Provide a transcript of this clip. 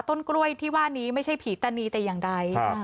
ต้นกล้วยที่ว่านี้ไม่ใช่ผีตานีแต่อย่างใด